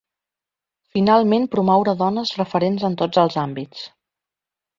Finalment, promoure dones referents en tots els àmbits.